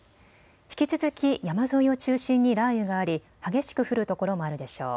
引き続き山沿いを中心に雷雨があり激しく降る所もあるでしょう。